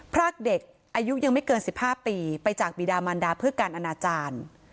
พรากเด็กอายุยังไม่เกิน๑๕ปีไปจากบีดามันดาเพื่อการอนาจารย์